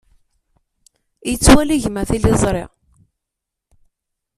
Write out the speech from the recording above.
Yettwali gma tiliẓri.